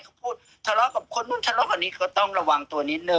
เขาพูดทะเลาะกับคนนู้นทะเลาะกับนี้ก็ต้องระวังตัวนิดนึง